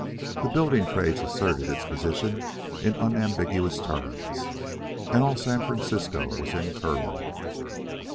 The building trades asserted its position in unambiguous terms, and all San Francisco was in turmoil.